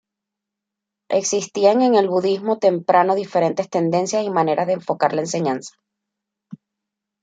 Existían en el budismo temprano diferentes tendencias y maneras de enfocar la enseñanza.